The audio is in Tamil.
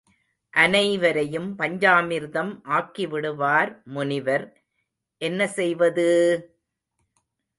அனைவரையும் பஞ்சாமிர்தம் ஆக்கி விடுவார் முனிவர் என்ன செய்வது!